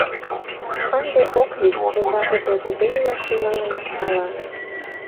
Ынде ок лий, умбакыже кузе илаш тӱҥалына, ала.